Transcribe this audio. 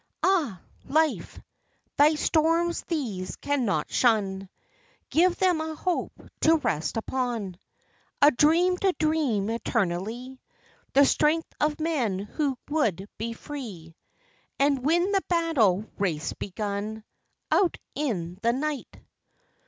Ah, Life! thy storms these cannot shun; Give them a hope to rest upon, A dream to dream eternally, The strength of men who would be free And win the battle race begun, Out in the Night!